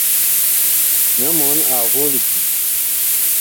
Nyɔ mɔɔn ag voo libyee.